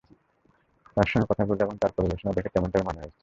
তার সঙ্গে কথা বলে এবং তার পরিবেশনা দেখে তেমনটাই মনে হয়েছে।